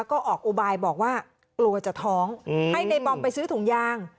ก็ออกอุบายบอกว่ากลัวจะท้องให้ในบอมไปซื้อถุงยาง